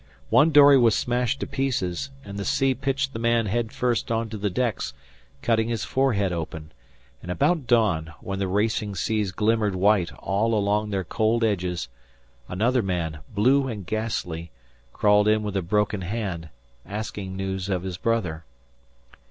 One dory was smashed to pieces, and the sea pitched the man head first on to the decks, cutting his forehead open; and about dawn, when the racing seas glimmered white all along their cold edges, another man, blue and ghastly, crawled in with a broken hand, asking news of his brother.